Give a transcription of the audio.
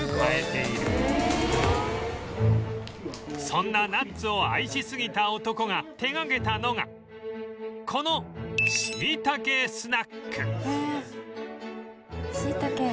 そんなナッツを愛しすぎた男が手掛けたのがこのしいたけスナックへえしいたけ。